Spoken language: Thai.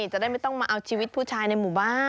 จะได้ไม่ต้องมาเอาชีวิตผู้ชายในหมู่บ้าน